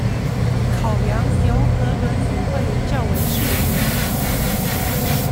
考量由何人與會較為適宜